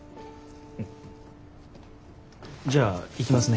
じゃあ行きますね。